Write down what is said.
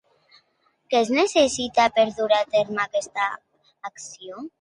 Què es necessitaria per dur a terme aquesta acció?